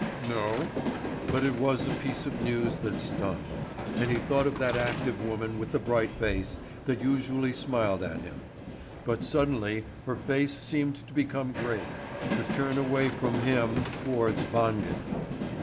"No." But it was a piece of news that stung, and he thought of that active woman with the bright face that usually smiled at him; but suddenly her face seemed to become grave, to turn away from him towards Wangen.